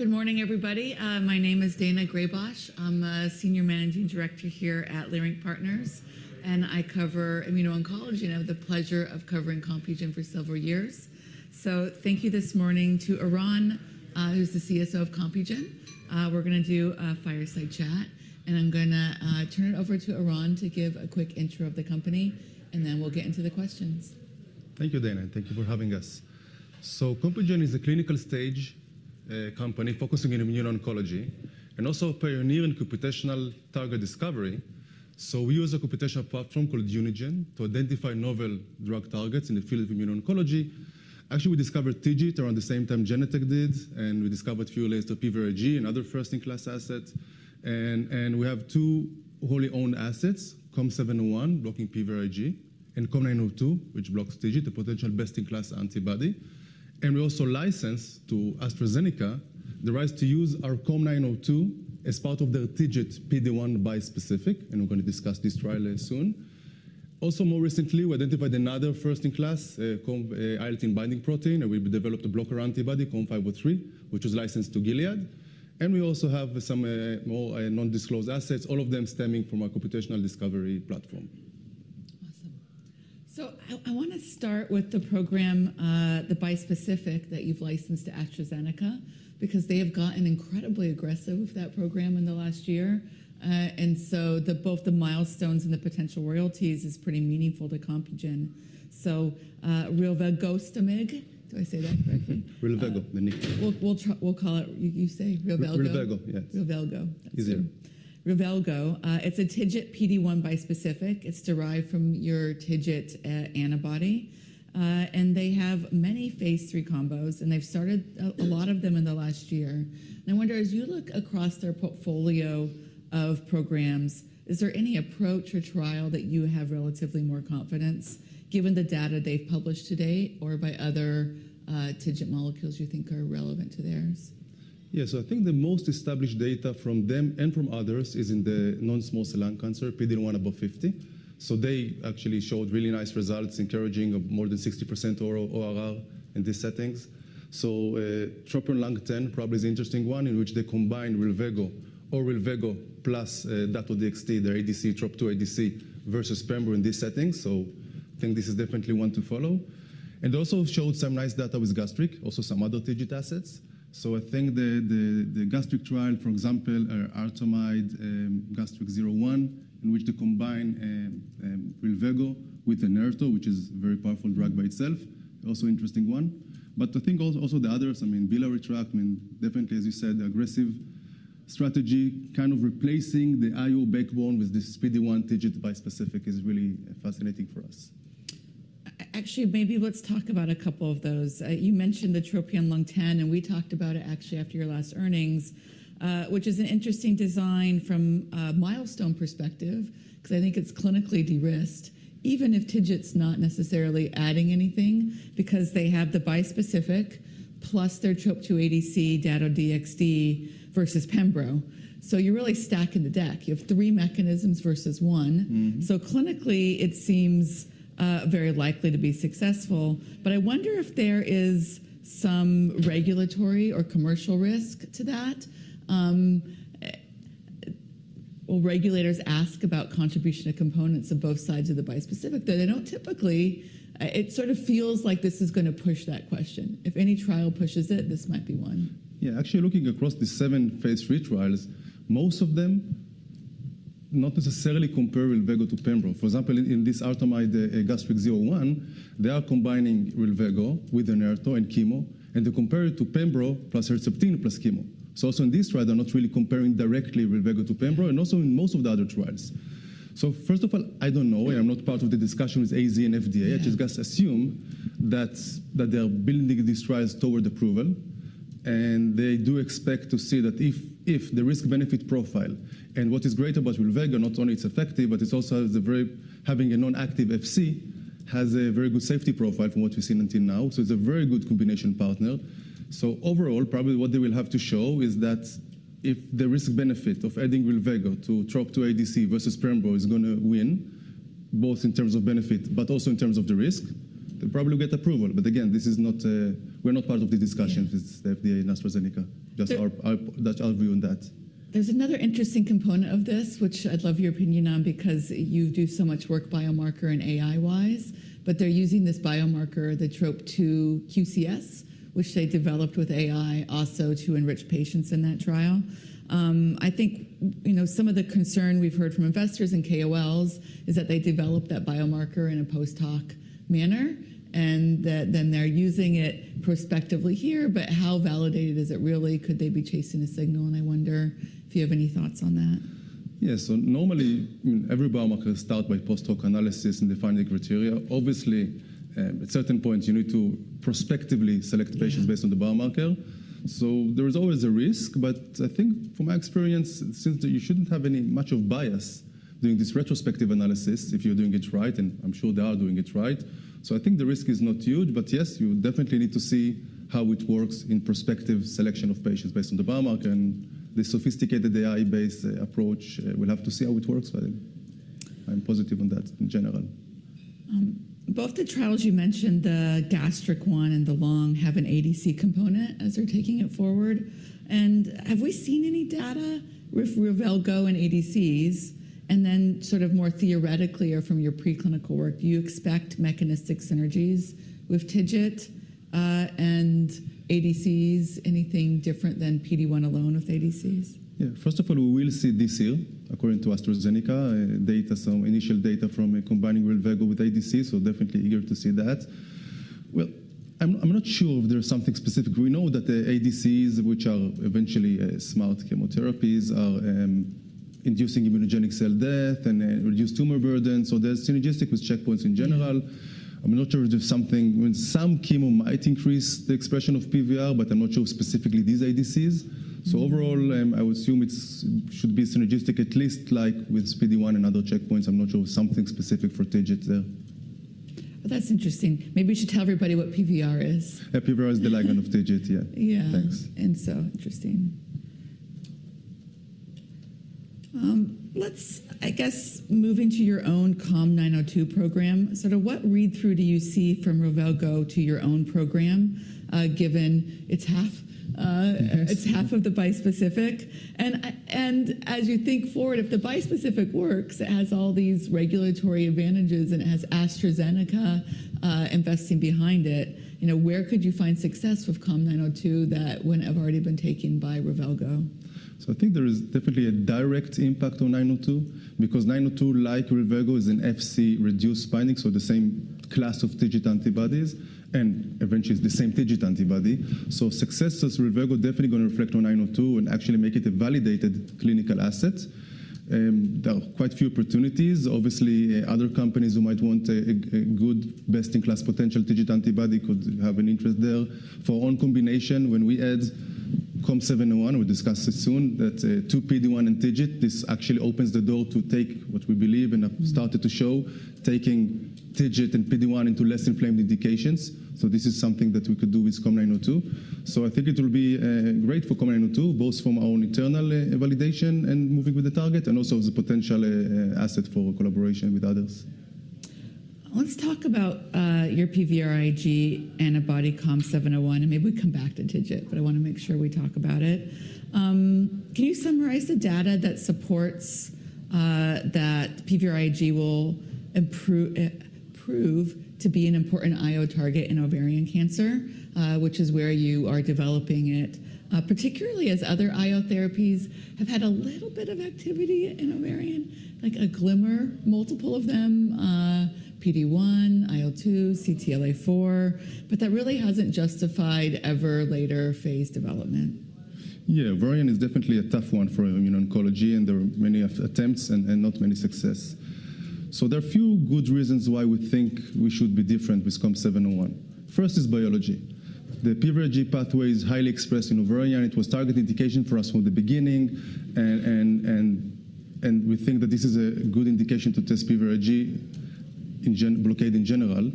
Good morning, everybody. My name is Daina Graybosch. I'm a Senior Managing Director here at Leerink Partners, and I cover immuno-oncology, and I have the pleasure of covering Compugen for several years. Thank you this morning to Eran, who's the CSO of Compugen. We're going to do a fireside chat, and I'm going to turn it over to Eran to give a quick intro of the company, and then we'll get into the questions. Thank you, Daina. Thank you for having us. Compugen is a clinical stage company focusing on immuno-oncology and also a pioneer in computational target discovery. We use a computational platform called Unigen to identify novel drug targets in the field of immuno-oncology. Actually, we discovered TIGIT around the same time Genentech did, and we discovered fewer layers to PVRL2 and other first-in-class assets. We have two wholly owned assets: COM701, blocking PVRLR, and COM902, which blocks TIGIT, a potential best-in-class antibody. We also licensed to AstraZeneca the right to use our COM902 as part of their TIGIT PD-1 bispecific, and we are going to discuss this trial soon. Also, more recently, we identified another first-in-class IL-18 binding protein, and we developed a blocker antibody, COM503, which was licensed to Gilead. We also have some more non-disclosed assets, all of them stemming from our computational discovery platform. Awesome. I want to start with the program, the bispecific that you've licensed to AstraZeneca, because they have gotten incredibly aggressive with that program in the last year. Both the milestones and the potential royalties are pretty meaningful to Compugen. Rilvegostomig, do I say that correctly? Rilvego, the nickname. We'll call it, you say, rilvegostomig. Rilvego, yes. Rilvego. Easier. Rilvegostomig. It's a TIGIT PD-1 bispecific. It's derived from your TIGIT antibody. They have many phase three combos, and they've started a lot of them in the last year. I wonder, as you look across their portfolio of programs, is there any approach or trial that you have relatively more confidence in, given the data they've published to date, or by other TIGIT molecules you think are relevant to theirs? Yes, I think the most established data from them and from others is in the non-small cell lung cancer, PD-1 above 50. They actually showed really nice results, encouraging more than 60% ORR in these settings. TROPION-Lung10 probably is an interesting one, in which they combine rilvegostomig or rilvegostomig plus datopotamab deruxtecan, their ADC, TROP2 ADC, versus pembrolizumab in these settings. I think this is definitely one to follow. They also showed some nice data with gastric, also some other TIGIT assets. I think the gastric trial, for example, is ARTEMIDE-Gastric01, in which they combine rilvegostomig with Enhertu, which is a very powerful drug by itself, also an interesting one.I think also the others, I mean, rilvegostomig, I mean, definitely, as you said, the aggressive strategy, kind of replacing the IO backbone with this PD-1 TIGIT bispecific is really fascinating for us. Actually, maybe let's talk about a couple of those. You mentioned the troponin lung 10, and we talked about it actually after your last earnings, which is an interesting design from a milestone perspective, because I think it's clinically de-risked, even if TIGIT's not necessarily adding anything, because they have the bispecific plus their TROP2 ADC, Datopotamab deruxtecan, versus pembrolizumab. You are really stacking the deck. You have three mechanisms versus one. Clinically, it seems very likely to be successful. I wonder if there is some regulatory or commercial risk to that. Will regulators ask about contribution to components of both sides of the bispecific? Though they do not typically, it sort of feels like this is going to push that question. If any trial pushes it, this might be one. Yeah, actually, looking across the seven phase three trials, most of them not necessarily compare rilvegostomig to pembrolizumab. For example, in this Artemide Gastric 01, they are combining rilvegostomig with Enhertu and chemo, and they compare it to pembrolizumab plus Herceptin plus chemo. Also in this trial, they're not really comparing directly rilvegostomig to pembrolizumab, and also in most of the other trials. First of all, I don't know. I'm not part of the discussion with AstraZeneca and FDA. I just assume that they are building these trials toward approval. They do expect to see that if the risk-benefit profile and what is great about rilvegostomig, not only it's effective, but it's also having a non-active Fc, has a very good safety profile from what we've seen until now. It's a very good combination partner. Overall, probably what they will have to show is that if the risk-benefit of adding rilvegostomig to TROP2 ADC versus pembrolizumab is going to win, both in terms of benefit, but also in terms of the risk, they'll probably get approval. Again, this is not, we're not part of the discussion with the FDA and AstraZeneca. Just our view on that. There's another interesting component of this, which I'd love your opinion on, because you do so much work biomarker and AI-wise. They're using this biomarker, the TROP2 QCS, which they developed with AI also to enrich patients in that trial. I think some of the concern we've heard from investors and KOLs is that they developed that biomarker in a post-hoc manner, and that then they're using it prospectively here. How validated is it really? Could they be chasing a signal? I wonder if you have any thoughts on that. Yes, so normally, every biomarker starts by post-hoc analysis and defining criteria. Obviously, at certain points, you need to prospectively select patients based on the biomarker. There is always a risk. I think, from my experience, since you shouldn't have much of bias doing this retrospective analysis if you're doing it right, and I'm sure they are doing it right. I think the risk is not huge. Yes, you definitely need to see how it works in prospective selection of patients based on the biomarker and the sophisticated AI-based approach. We'll have to see how it works, but I'm positive on that in general. Both the trials you mentioned, the gastric one and the lung, have an ADC component as they're taking it forward. Have we seen any data with rilvegostomig and ADCs? More theoretically, or from your preclinical work, do you expect mechanistic synergies with TIGIT and ADCs? Anything different than PD-1 alone with ADCs? Yeah, first of all, we will see this year, according to AstraZeneca, initial data from combining rilvegostomig with ADCs. Definitely eager to see that. I'm not sure if there's something specific. We know that the ADCs, which are eventually smart chemotherapies, are inducing immunogenic cell death and reduce tumor burden. There's synergistic with checkpoints in general. I'm not sure if some chemo might increase the expression of PVR, but I'm not sure specifically these ADCs. Overall, I would assume it should be synergistic, at least like with PD-1 and other checkpoints. I'm not sure of something specific for TIGIT there. That's interesting. Maybe we should tell everybody what PVR is. PVR is the ligand of TIGIT. Yeah. Yeah. Thanks. Interesting. Let's, I guess, move into your own COM902 program. Sort of what read-through do you see from rilvegostomig to your own program, given it's half of the bispecific? As you think forward, if the bispecific works, it has all these regulatory advantages, and it has AstraZeneca investing behind it, where could you find success with COM902 that wouldn't have already been taken by rilvegostomig? I think there is definitely a direct impact on 902, because 902, like rilvegostomig, is an Fc-reduced binding, so the same class of TIGIT antibodies, and eventually it's the same TIGIT antibody. Success with rilvegostomig is definitely going to reflect on 902 and actually make it a validated clinical asset. There are quite a few opportunities. Obviously, other companies who might want a good best-in-class potential TIGIT antibody could have an interest there. For our own combination, when we add COM701, we'll discuss this soon, that's two, PD-1 and TIGIT. This actually opens the door to take what we believe and have started to show, taking TIGIT and PD-1 into less inflamed indications. This is something that we could do with COM902. I think it will be great for COM902, both from our own internal validation and moving with the target, and also as a potential asset for collaboration with others. Let's talk about your PVRIG antibody COM701, and maybe we come back to TIGIT, but I want to make sure we talk about it. Can you summarize the data that supports that PVRIG will prove to be an important IO target in ovarian cancer, which is where you are developing it, particularly as other IO therapies have had a little bit of activity in ovarian, like a glimmer, multiple of them, PD-1, IL-2, CTLA-4, but that really hasn't justified ever later phase development? Yeah, ovarian is definitely a tough one for immuno-oncology, and there are many attempts and not many success. There are a few good reasons why we think we should be different with COM701. First is biology. The PVRIG pathway is highly expressed in ovarian. It was a target indication for us from the beginning, and we think that this is a good indication to test PVRIG blockade in general.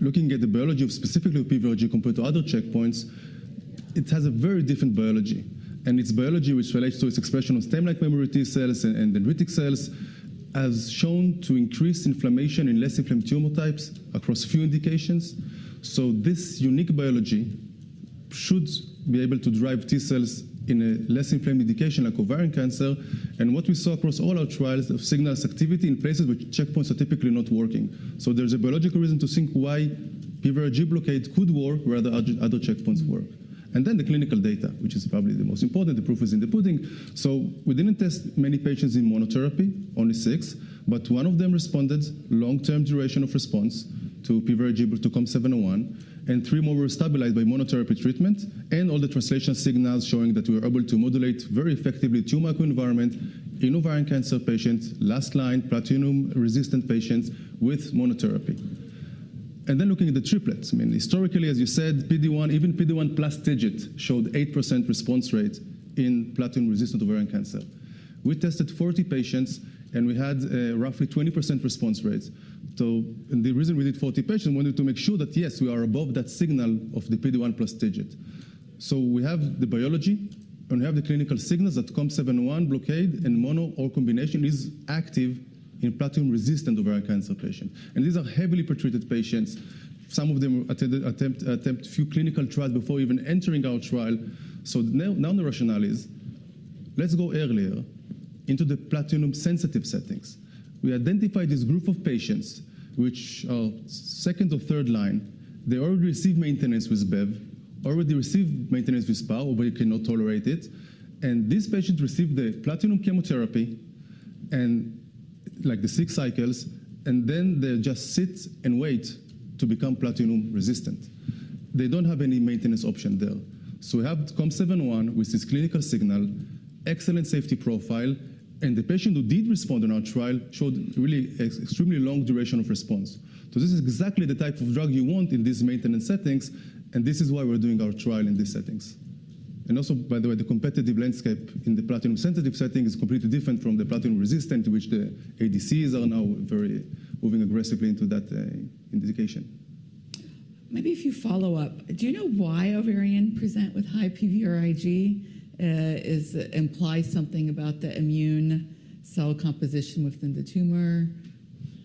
Looking at the biology of specifically PVRIG compared to other checkpoints, it has a very different biology. Its biology, which relates to its expression of stem-like memory T cells and dendritic cells, has shown to increase inflammation in less inflamed tumor types across few indications. This unique biology should be able to drive T cells in a less inflamed indication like ovarian cancer. What we saw across all our trials was signal activity in places where checkpoints are typically not working. There is a biological reason to think why PVRIG blockade could work where other checkpoints work. The clinical data, which is probably the most important, the proof is in the pudding. We did not test many patients in monotherapy, only six, but one of them responded, long-term duration of response to PVRIG to COM701, and three more were stabilized by monotherapy treatment, and all the translation signals showing that we were able to modulate very effectively tumor environment in ovarian cancer patients, last line platinum-resistant patients with monotherapy. Looking at the triplets, I mean, historically, as you said, PD-1, even PD-1 plus TIGIT showed 8% response rate in platinum-resistant ovarian cancer. We tested 40 patients, and we had roughly 20% response rates. The reason we did 40 patients was to make sure that, yes, we are above that signal of the PD-1 plus TIGIT. We have the biology, and we have the clinical signals that COM701 blockade and mono or combination is active in platinum-resistant ovarian cancer patients. These are heavily pretreated patients. Some of them attempt a few clinical trials before even entering our trial. Now the rationale is, let's go earlier into the platinum-sensitive settings. We identified this group of patients, which are second or third line. They already received maintenance with BEV, already received maintenance with SPAR, already cannot tolerate it. These patients received the platinum chemotherapy like the six cycles, and then they just sit and wait to become platinum-resistant. They do not have any maintenance option there. We have COM701, which is clinical signal, excellent safety profile, and the patient who did respond in our trial showed really extremely long duration of response. This is exactly the type of drug you want in these maintenance settings, and this is why we're doing our trial in these settings. Also, by the way, the competitive landscape in the platinum-sensitive setting is completely different from the platinum-resistant, which the ADCs are now very moving aggressively into that indication. Maybe if you follow up, do you know why ovarian present with high PVRIG implies something about the immune cell composition within the tumor?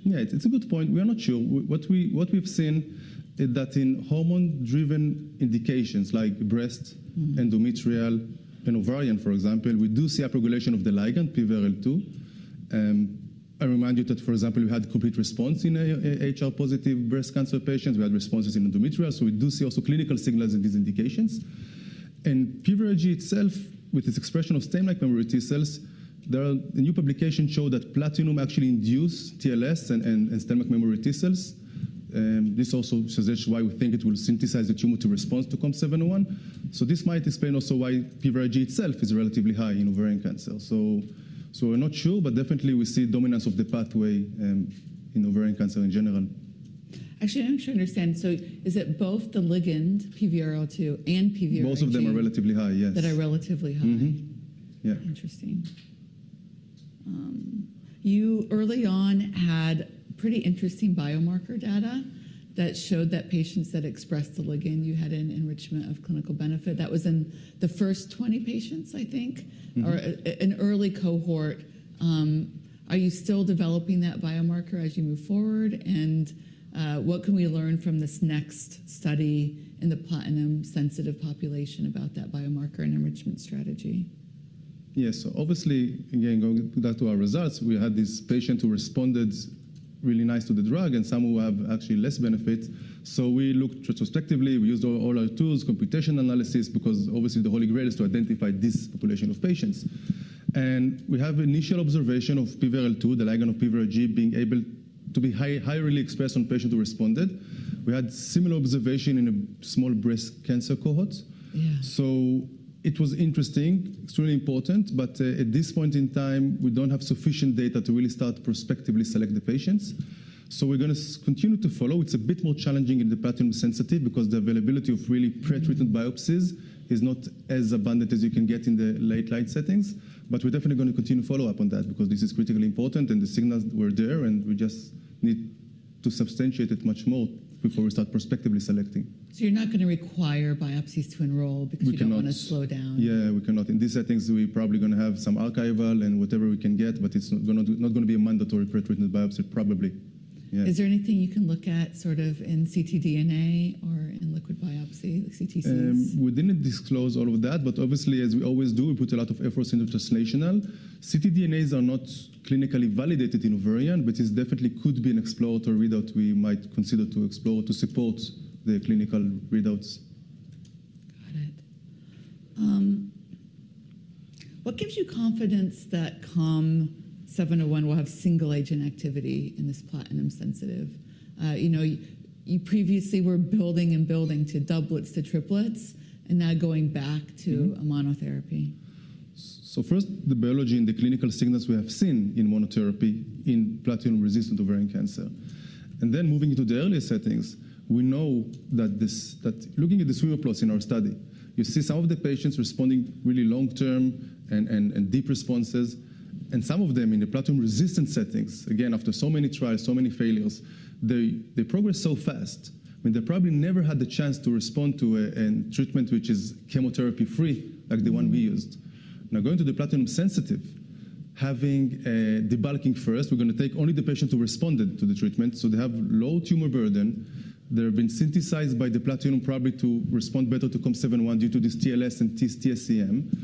Yeah, it's a good point. We are not sure. What we've seen is that in hormone-driven indications like breast, endometrial, and ovarian, for example, we do see upregulation of the ligand, PVRL2. I remind you that, for example, we had complete response in HR-positive breast cancer patients. We had responses in endometrial. We do see also clinical signals in these indications. PVRIG itself, with its expression of stem-like memory T cells, the new publication showed that platinum actually induces TLS and stem-like memory T cells. This also suggests why we think it will synthesize the tumor to respond to COM701. This might explain also why PVRIG itself is relatively high in ovarian cancer. We're not sure, but definitely we see dominance of the pathway in ovarian cancer in general. Actually, I don't actually understand. Is it both the ligand, PVRL2, and PVRIG? Both of them are relatively high, yes. That are relatively high. Yeah. Interesting. You early on had pretty interesting biomarker data that showed that patients that expressed the ligand, you had an enrichment of clinical benefit. That was in the first 20 patients, I think, or an early cohort. Are you still developing that biomarker as you move forward? What can we learn from this next study in the platinum-sensitive population about that biomarker and enrichment strategy? Yes, so obviously, again, going back to our results, we had these patients who responded really nice to the drug and some who have actually less benefit. We looked retrospectively. We used all our tools, computational analysis, because obviously the Holy Grail is to identify this population of patients. We have initial observation of PVRL2, the ligand of PVRIG, being able to be highly expressed on patients who responded. We had similar observation in a small breast cancer cohort. It was interesting, extremely important, but at this point in time, we do not have sufficient data to really start prospectively selecting the patients. We are going to continue to follow. It is a bit more challenging in the platinum-sensitive because the availability of really pre-treated biopsies is not as abundant as you can get in the late light settings. We are definitely going to continue to follow up on that because this is critically important and the signals were there, and we just need to substantiate it much more before we start prospectively selecting. You're not going to require biopsies to enroll because you don't want to slow down? We cannot. Yeah, we cannot. In these settings, we're probably going to have some archival and whatever we can get, but it's not going to be a mandatory pre-treated biopsy, probably. Is there anything you can look at sort of in ctDNA or in liquid biopsy, the CTCs? We didn't disclose all of that, but obviously, as we always do, we put a lot of efforts into translational. ctDNAs are not clinically validated in ovarian, but it definitely could be an exploratory readout we might consider to explore to support the clinical readouts. Got it. What gives you confidence that COM701 will have single-agent activity in this platinum-sensitive? You previously were building and building to doublets to triplets, and now going back to a monotherapy. First, the biology and the clinical signals we have seen in monotherapy in platinum-resistant ovarian cancer. Then moving into the earlier settings, we know that looking at the suite of plots in our study, you see some of the patients responding really long-term and deep responses. Some of them in the platinum-resistant settings, again, after so many trials, so many failures, they progress so fast. I mean, they probably never had the chance to respond to a treatment which is chemotherapy-free, like the one we used. Now, going to the platinum-sensitive, having debulking first, we're going to take only the patients who responded to the treatment. They have low tumor burden. They've been synthesized by the platinum probably to respond better to COM701 due to this TLS and TSCM.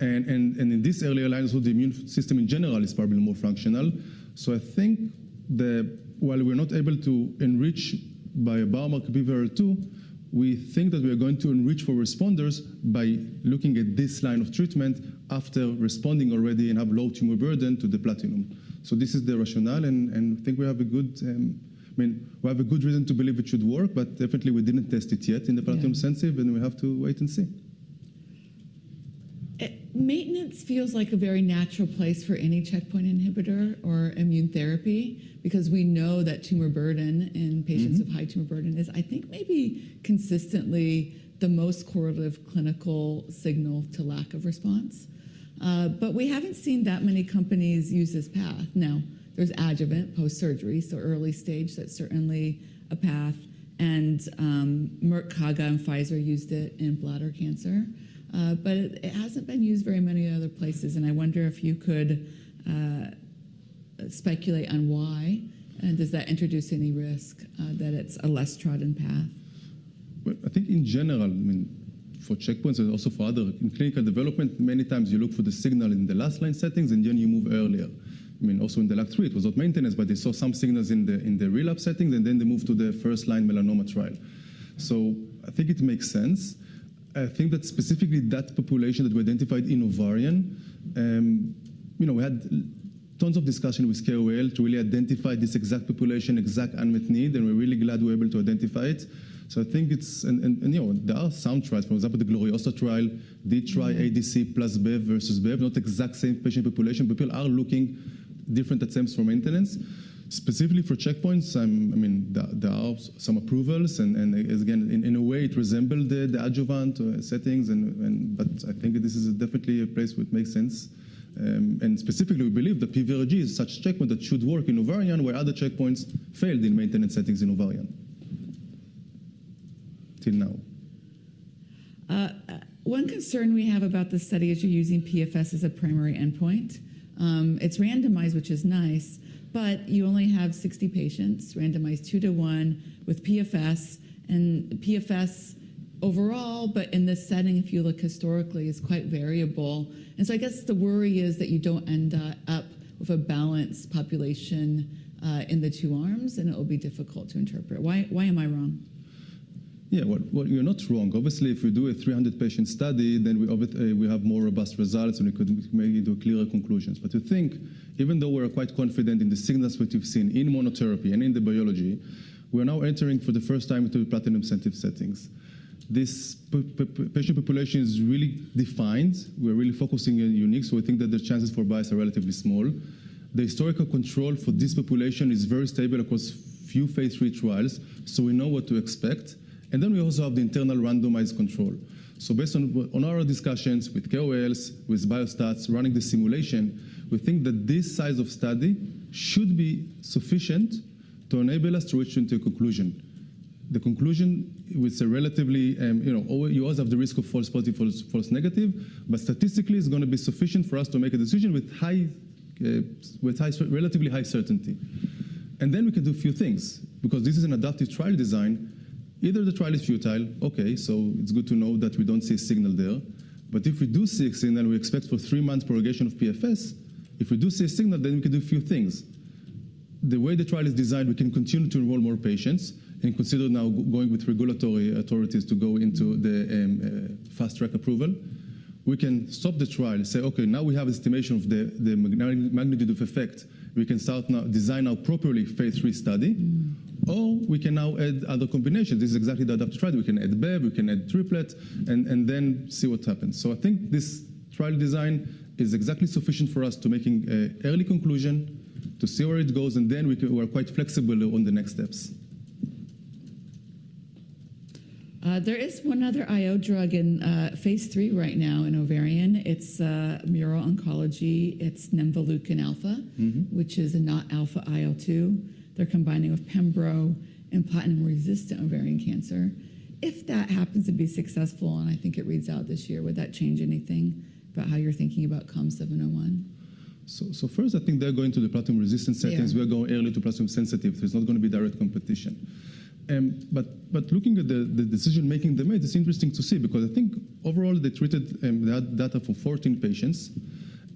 In this earlier line, the immune system in general is probably more functional. I think that while we're not able to enrich by a biomarker PVRL2, we think that we are going to enrich for responders by looking at this line of treatment after responding already and have low tumor burden to the platinum. This is the rationale, and I think we have a good, I mean, we have a good reason to believe it should work, but definitely we didn't test it yet in the platinum-sensitive, and we have to wait and see. Maintenance feels like a very natural place for any checkpoint inhibitor or immune therapy because we know that tumor burden in patients with high tumor burden is, I think, maybe consistently the most correlative clinical signal to lack of response. We have not seen that many companies use this path. Now, there is adjuvant post-surgery, so early stage, that is certainly a path. Merck, Coga, and Pfizer used it in bladder cancer. It has not been used very many other places, and I wonder if you could speculate on why, and does that introduce any risk that it is a less trodden path? I think in general, I mean, for checkpoints and also for other clinical development, many times you look for the signal in the last line settings, and then you move earlier. I mean, also in the last three, it was not maintenance, but they saw some signals in the relapse settings, and then they moved to the first line melanoma trial. I think it makes sense. I think that specifically that population that we identified in ovarian, we had tons of discussion with KOL to really identify this exact population, exact unmet need, and we're really glad we're able to identify it. I think it's, and there are some trials, for example, the GLORIOSA trial, they tried ADC plus BEV versus BEV, not exact same patient population, but people are looking at different attempts for maintenance. Specifically for checkpoints, I mean, there are some approvals, and again, in a way, it resembled the adjuvant settings, but I think this is definitely a place where it makes sense. Specifically, we believe that PVRIG is such a checkpoint that should work in ovarian where other checkpoints failed in maintenance settings in ovarian till now. One concern we have about the study is you're using PFS as a primary endpoint. It's randomized, which is nice, but you only have 60 patients randomized two to one with PFS, and PFS overall, but in this setting, if you look historically, is quite variable. I guess the worry is that you don't end up with a balanced population in the two arms, and it will be difficult to interpret. Why am I wrong? Yeah, you're not wrong. Obviously, if we do a 300-patient study, then we have more robust results, and we could maybe do clearer conclusions. To think, even though we're quite confident in the signals that you've seen in monotherapy and in the biology, we're now entering for the first time into the platinum-sensitive settings. This patient population is really defined. We're really focusing on unique, so we think that the chances for bias are relatively small. The historical control for this population is very stable across few phase three trials, so we know what to expect. We also have the internal randomized control. Based on our discussions with KOLs, with Biostats running the simulation, we think that this size of study should be sufficient to enable us to reach into a conclusion. The conclusion with a relatively, you also have the risk of false positive, false negative, but statistically, it's going to be sufficient for us to make a decision with relatively high certainty. You know, we can do a few things because this is an adaptive trial design. Either the trial is futile, okay, so it's good to know that we don't see a signal there. If we do see a signal, we expect for three months' prorogation of PFS. If we do see a signal, then we can do a few things. The way the trial is designed, we can continue to enroll more patients and consider now going with regulatory authorities to go into the fast track approval. We can stop the trial and say, okay, now we have an estimation of the magnitude of effect. We can start now, design now properly phase three study, or we can now add other combinations. This is exactly the adaptive trial. We can add BEV, we can add triplet, and see what happens. I think this trial design is exactly sufficient for us to make an early conclusion, to see where it goes, and we are quite flexible on the next steps. There is one other IO drug in phase three right now in ovarian. It's Mural Oncology. It's nemvaleukin alfa, which is a not alpha IL-2. They're combining with pembro in platinum-resistant ovarian cancer. If that happens to be successful, and I think it reads out this year, would that change anything about how you're thinking about COM701? First, I think they're going to the platinum-resistant settings. We're going early to platinum-sensitive. There's not going to be direct competition. Looking at the decision-making they made, it's interesting to see because I think overall they treated, they had data for 14 patients,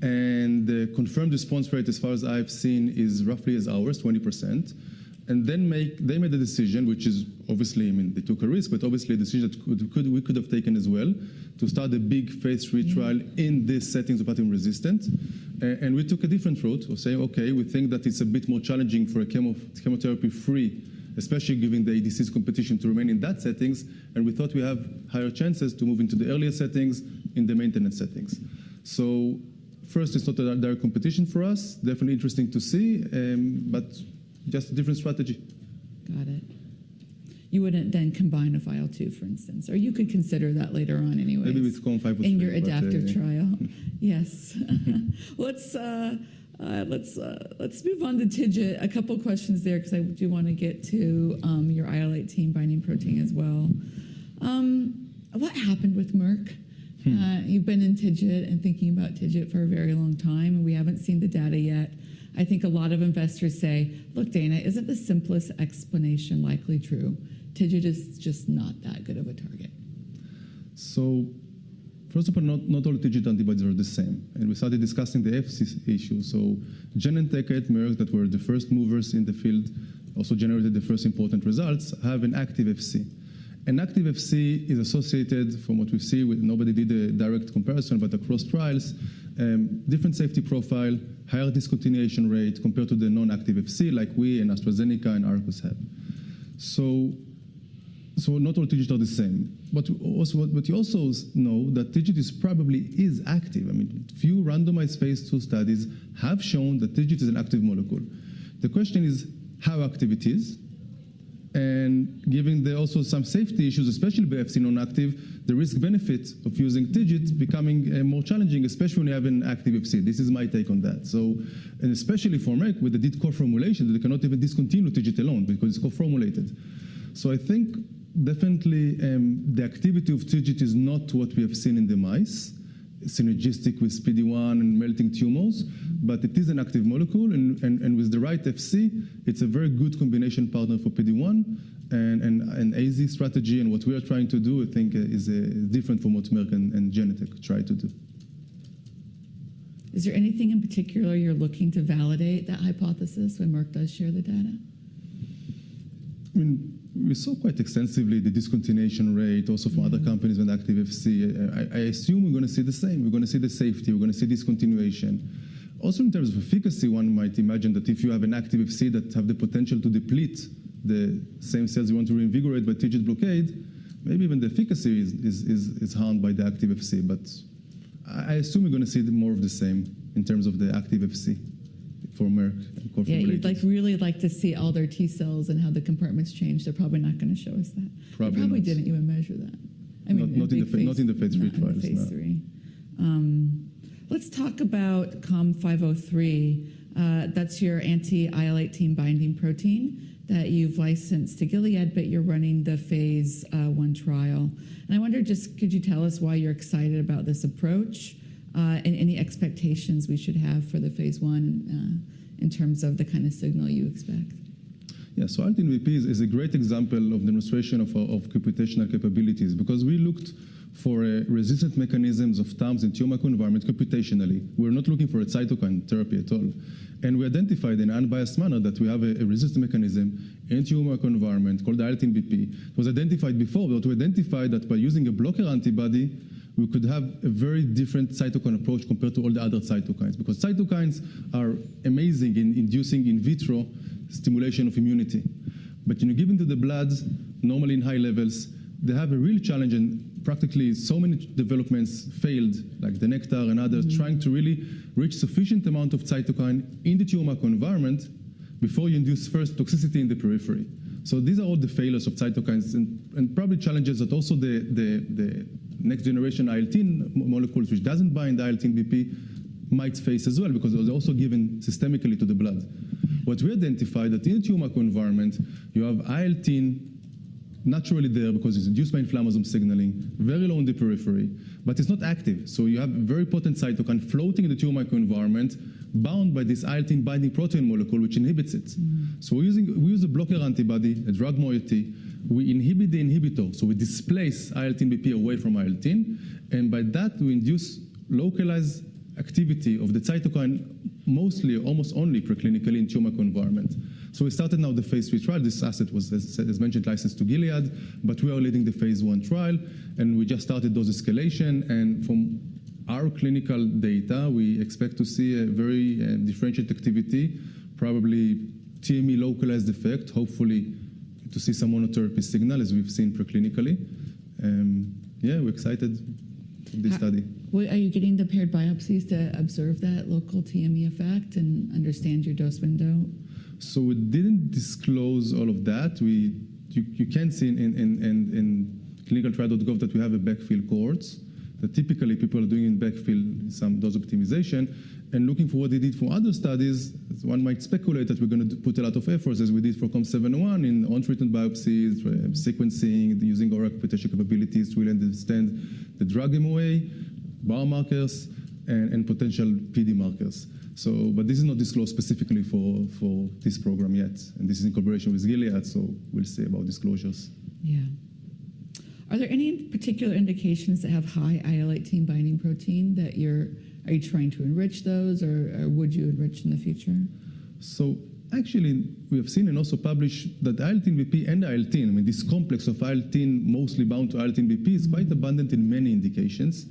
and the confirmed response rate, as far as I've seen, is roughly as ours, 20%. They made the decision, which is obviously, I mean, they took a risk, but obviously a decision that we could have taken as well to start a big phase three trial in these settings of platinum-resistant. We took a different route of saying, okay, we think that it's a bit more challenging for a chemotherapy-free, especially given the ADC's competition to remain in that settings. We thought we have higher chances to move into the earlier settings in the maintenance settings. First, it's not a direct competition for us. Definitely interesting to see, but just a different strategy. Got it. You wouldn't then combine with IL-2, for instance, or you could consider that later on anyway. Maybe with COM701 with PVRL2. In your adaptive trial. Yes. Let's move on to TIGIT. A couple of questions there because I do want to get to your IL-18 binding protein as well. What happened with Merck? You've been in TIGIT and thinking about TIGIT for a very long time, and we haven't seen the data yet. I think a lot of investors say, look, Daina, isn't the simplest explanation likely true? TIGIT is just not that good of a target. First of all, not all TIGIT antibodies are the same. We started discussing the Fc issue. Genentech and Merck, that were the first movers in the field, also generated the first important results, have an active Fc. An active Fc is associated, from what we see, with—nobody did a direct comparison, but across trials, different safety profile, higher discontinuation rate compared to the non-active Fc like we and AstraZeneca and Arcus have. Not all TIGIT are the same. You also know that TIGIT probably is active. I mean, few randomized phase two studies have shown that TIGIT is an active molecule. The question is how active it is. Given there are also some safety issues, especially with Fc non-active, the risk-benefit of using TIGIT becoming more challenging, especially when you have an active Fc. This is my take on that. Especially for Merck with the decoff formulation, they cannot even discontinue TIGIT alone because it's co-formulated. I think definitely the activity of TIGIT is not what we have seen in the mice, synergistic with PD-1 and melting tumors, but it is an active molecule. With the right Fc, it's a very good combination partner for PD-1 and AZ strategy. What we are trying to do, I think, is different from what Merck and Genentech try to do. Is there anything in particular you're looking to validate that hypothesis when Merck does share the data? I mean, we saw quite extensively the discontinuation rate also from other companies with active Fc. I assume we're going to see the same. We're going to see the safety. We're going to see discontinuation. Also in terms of efficacy, one might imagine that if you have an active Fc that has the potential to deplete the same cells you want to reinvigorate by TIGIT blockade, maybe even the efficacy is harmed by the active Fc. I assume we're going to see more of the same in terms of the active Fc for Merck and Corpher-Breaker. Yeah, you'd really like to see all their T cells and how the compartments change. They're probably not going to show us that. Probably. You probably didn't even measure that. Not in the phase three trials. Not in the phase three. Let's talk about COM503. That's your anti-IL-18 binding protein that you've licensed to Gilead, but you're running the phase one trial. I wonder just, could you tell us why you're excited about this approach and any expectations we should have for the phase one in terms of the kind of signal you expect? Yeah, so IL-18BP is a great example of demonstration of computational capabilities because we looked for resistant mechanisms of TAMs in tumor environments computationally. We're not looking for a cytokine therapy at all. And we identified in an unbiased manner that we have a resistant mechanism in tumor environment called the IL-18BP. It was identified before, but we identified that by using a blocker antibody, we could have a very different cytokine approach compared to all the other cytokines because cytokines are amazing in inducing in vitro stimulation of immunity. But when you give them to the blood, normally in high levels, they have a real challenge, and practically so many developments failed, like the Nektar and others, trying to really reach sufficient amount of cytokine in the tumor environment before you induce first toxicity in the periphery. These are all the failures of cytokines and probably challenges that also the next generation IL-18 molecules, which does not bind IL-10BP, might face as well because they are also given systemically to the blood. What we identified is that in the tumor environment, you have IL-10 naturally there because it is induced by inflammasome signaling, very low in the periphery, but it is not active. You have very potent cytokine floating in the tumor environment bound by this IL-10 binding protein molecule, which inhibits it. We use a blocker antibody, a drug moiety. We inhibit the inhibitor, so we displace IL-10BP away from IL-10. By that, we induce localized activity of the cytokine, mostly almost only preclinically in tumor environment. We started now the phase three trial. This asset was, as mentioned, licensed to Gilead, but we are leading the phase I trial, and we just started dose escalation. From our clinical data, we expect to see a very differentiated activity, probably TME localized effect, hopefully to see some monotherapy signal as we've seen preclinically. Yeah, we're excited for this study. Are you getting the paired biopsies to observe that local TME effect and understand your dose window? We did not disclose all of that. You can see in clinicaltrials.gov that we have a backfill cohort that typically people are doing in backfill, some dose optimization. Looking for what they did for other studies, one might speculate that we are going to put a lot of efforts, as we did for COM701, in untreated biopsies, sequencing, using our computational capabilities to really understand the drug MOA, biomarkers, and potential PD markers. This is not disclosed specifically for this program yet. This is in cooperation with Gilead, so we will see about disclosures. Yeah. Are there any particular indications that have high IL-18 binding protein that you're trying to enrich those, or would you enrich in the future? Actually, we have seen and also published that IL-18BP and IL-18, I mean, this complex of IL-18 mostly bound to IL-18BP is quite abundant in many indications.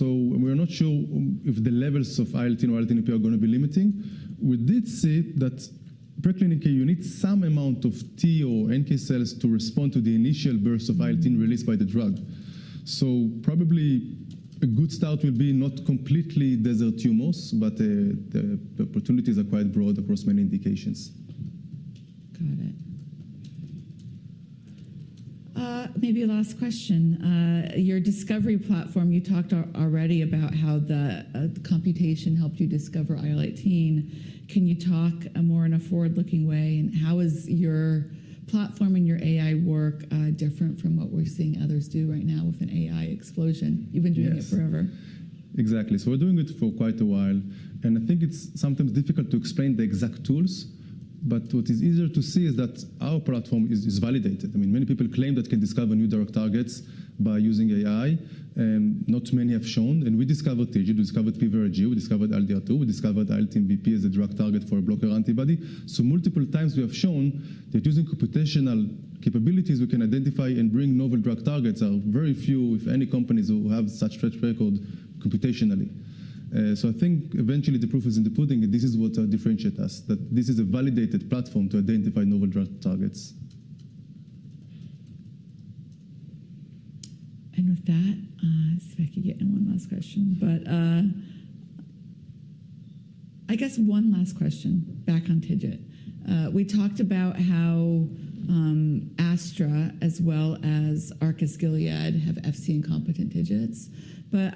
We are not sure if the levels of IL-18 or IL-18BP are going to be limiting. We did see that preclinically, you need some amount of T or NK cells to respond to the initial burst of IL-18 released by the drug. Probably a good start will be not completely desert tumors, but the opportunities are quite broad across many indications. Got it. Maybe last question. Your discovery platform, you talked already about how the computation helped you discover IL-18. Can you talk more in a forward-looking way? How is your platform and your AI work different from what we're seeing others do right now with an AI explosion? You've been doing it forever. Exactly. We are doing it for quite a while. I think it is sometimes difficult to explain the exact tools, but what is easier to see is that our platform is validated. I mean, many people claim that they can discover new drug targets by using AI. Not many have shown. We discovered TIGIT, we discovered PVRIG, we discovered ILDR2, we discovered IL-10BP as a drug target for a blocker antibody. Multiple times we have shown that using computational capabilities, we can identify and bring novel drug targets. There are very few, if any, companies who have such track record computationally. I think eventually the proof is in the pudding. This is what differentiates us, that this is a validated platform to identify novel drug targets. If I could get one last question, I guess one last question back on TIGIT. We talked about how AstraZeneca as well as Arcus-Gilead have Fc-incompetent TIGITs.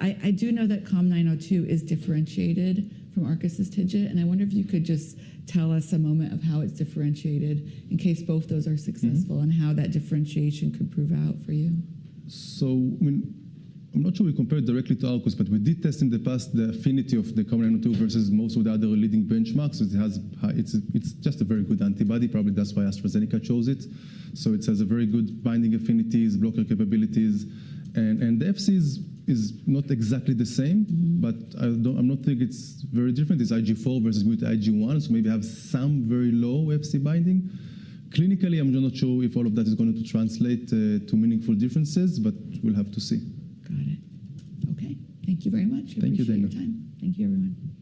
I do know that COM902 is differentiated from Arcus' TIGIT. I wonder if you could just tell us a moment of how it is differentiated in case both those are successful and how that differentiation could prove out for you. I'm not sure we compared directly to Arcus, but we did test in the past the affinity of the COM902 versus most of the other leading benchmarks. It's just a very good antibody. Probably that's why AstraZeneca chose it. It has very good binding affinities, blocker capabilities. The Fc is not exactly the same, but I'm not thinking it's very different. It's IgG4 versus mute IgG1, so maybe have some very low Fc binding. Clinically, I'm not sure if all of that is going to translate to meaningful differences, but we'll have to see. Got it. Okay. Thank you very much. Thank you, Daina. For taking the time. Thank you, everyone.